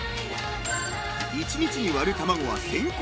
［１日に割る卵は１，０００個以上］